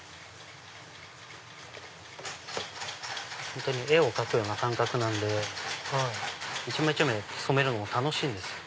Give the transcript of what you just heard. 本当に絵を描くような感覚なんで一枚一枚染めるのも楽しいんですよ。